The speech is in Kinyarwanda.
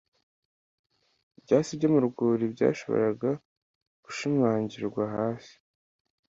Ibyatsi byo mu rwuri byashoboraga gushimangirwa hasi